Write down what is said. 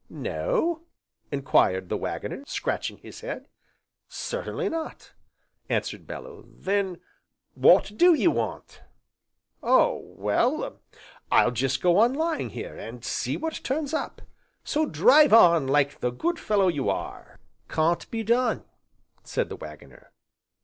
"No?" enquired the Waggoner, scratching his head. "Certainly not," answered Bellew. "Then what do ye want?" "Oh well, I'll just go on lying here, and see what turns up, so drive on, like the good fellow you are." "Can't be done!" said the Waggoner.